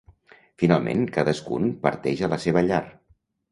Finalment, cadascun parteix a la seva llar.